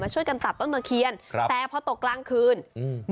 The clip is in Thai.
ช่วยกันตัดต้นตะเคียนครับแต่พอตกกลางคืนอืม